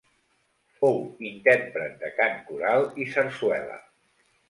Fou intèrpret de cant coral i sarsuela.